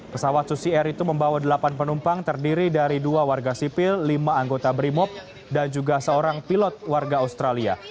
pesawat susi air itu membawa delapan penumpang terdiri dari dua warga sipil lima anggota brimob dan juga seorang pilot warga australia